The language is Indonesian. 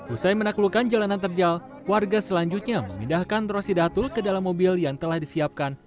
usai menaklukkan jalanan terjal warga selanjutnya memindahkan rosidatul ke dalam mobil yang telah disiapkan